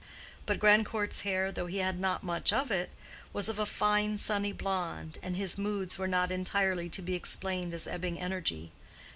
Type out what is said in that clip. But Grandcourt's hair, though he had not much of it, was of a fine, sunny blonde, and his moods were not entirely to be explained as ebbing energy.